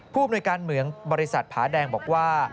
ผู้อำนวยการเมืองบริษัทผาแดงบอกว่า